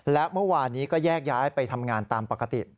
และเมื่อวานนี้ก็แยกย้ายไปทำงานตามปกติ